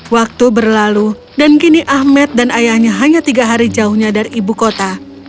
waktu berlalu dan kini ahmed dan ayahnya hanya tiga hari jauhnya dari ibu kota